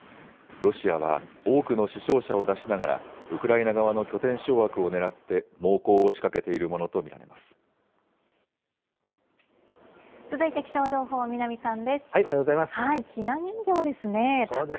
ロシアは多くの死傷者を出しながら、ウクライナ側の拠点掌握をねらって猛攻を仕掛けているものと見ら続いて、気象情報、南さんでおはようございます。